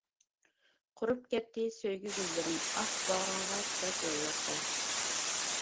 قۇرۇپ كەتتى سۆيگۈ گۈللىرىم، ئاھ! باغرىڭغا تۇتاش يوللاردا.